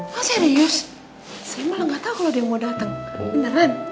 mas serius saya malah nggak tahu kalau dia mau datang beneran